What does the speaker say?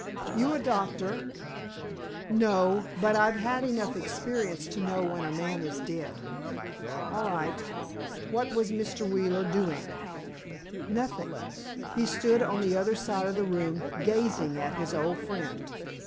"You a doctor?" "No; but I've had enough experience to know when a man is dead." "All right. What was Mr. Wheeler doing?" "Nothing. He stood on the other side of the room, gazing at his old friend."